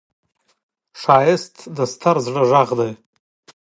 ښایست د ستر زړه غږ دی